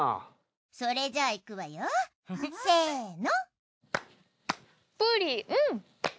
それじゃあいくわよせえの。